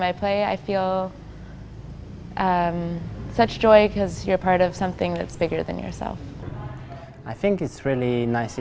ini menarik bagi orang asing untuk belajar kultur javanese